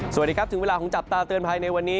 สวัสดีครับถึงเวลาของจับตาเตือนภัยในวันนี้